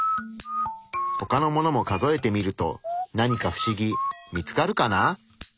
ほかのものも数えてみると何かフシギ見つかるかな？